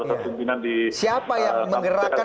kemungkinan di siapa yang menggerakkan